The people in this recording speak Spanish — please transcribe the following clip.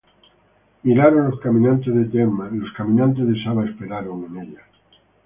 Miraron los caminantes de Temán, Los caminantes de Saba esperaron en ellas: